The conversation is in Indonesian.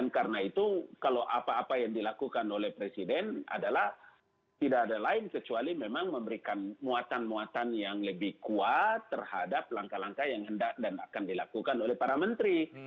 karena itu kalau apa apa yang dilakukan oleh presiden adalah tidak ada lain kecuali memang memberikan muatan muatan yang lebih kuat terhadap langkah langkah yang hendak dan akan dilakukan oleh para menteri